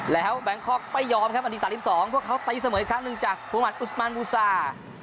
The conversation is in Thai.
แล้วแบงค์คอร์กไม่ยอมครับอันทีสามสิบสองเพราะเขาตายเสมออีกครั้งหนึ่งจากผู้หมาตย์อูสมันบูซา